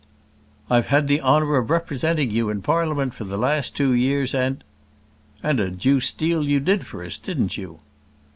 "I've had the honour of representing you in Parliament for the last two years and " "And a deuced deal you did for us, didn't you?"